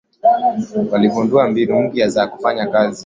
Waligundua mbinu mpya za kufanya kazi